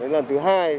lần thứ hai